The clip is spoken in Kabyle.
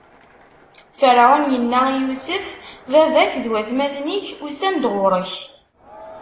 Ferɛun inna i Yusef: Baba-k d watmaten-ik usan-d ɣur-k.